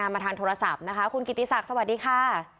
มาทางโทรศัพท์นะคะคุณกิติศักดิ์สวัสดีค่ะ